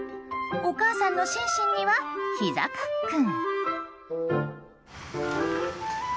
お母さんのシンシンにはひざカックン！